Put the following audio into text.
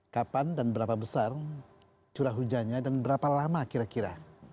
kapan dan berapa besar curah hujannya dan berapa lama kira kira